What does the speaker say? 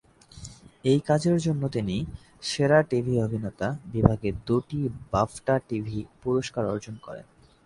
এই কাজের জন্য তিনি সেরা টিভি অভিনেতা বিভাগে দুটি বাফটা টিভি পুরস্কার অর্জন করেন।